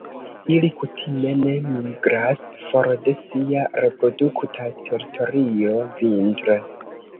Ili kutime ne migras for de sia reprodukta teritorio vintre.